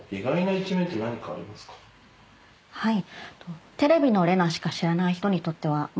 はい。